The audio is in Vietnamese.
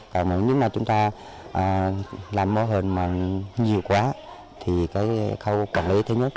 còn những nơi chúng ta làm mô hình mà nhiều quá thì cái khâu quản lý thứ nhất